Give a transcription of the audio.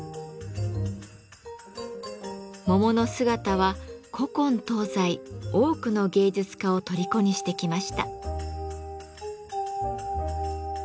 桃の姿は古今東西多くの芸術家をとりこにしてきました。